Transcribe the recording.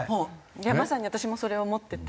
まさに私もそれを思ってて。